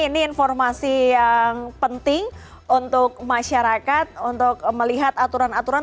ini informasi yang penting untuk masyarakat untuk melihat aturan aturan